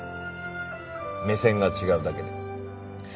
目線が違うだけで。